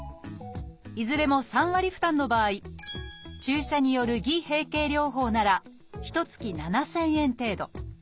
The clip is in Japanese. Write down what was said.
いずれも３割負担の場合注射による偽閉経療法ならひとつき７，０００円程度。